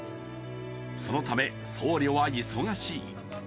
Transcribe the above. そのため僧侶は忙しい。